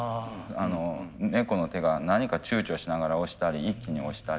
猫の手が何かちゅうちょしながら押したり一気に押したり。